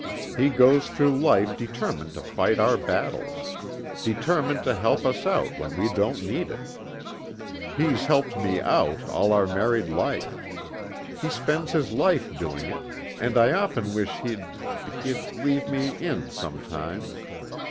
He goes through life determined to fight our battles. Determined to help us out when we don't need it. He's helped me 'out' all our married life. He spends his life doing it, and I often wish he'd he'd leave me 'in' sometimes.